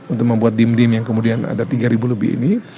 untuk membuat dim dim yang kemudian ada tiga lebih ini